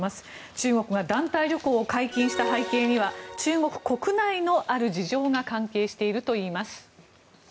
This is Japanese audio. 中国が団体旅行を解禁した背景には中国国内のある事情が関係しているといいます。